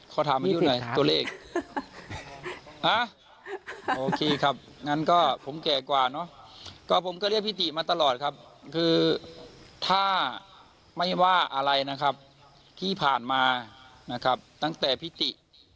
ขอถามอายุหน่อยตัวเลขโอเคครับงั้นก็ผมแก่กว่าเนอะก็ผมก็เรียกพี่ติมาตลอดครับคือถ้าไม่ว่าอะไรนะครับที่ผ่านมานะครับตั้งแต่พี่ติ